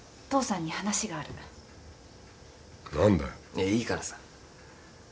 いやいいからさ。